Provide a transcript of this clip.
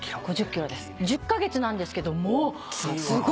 １０カ月なんですけどもうすごく大きくて。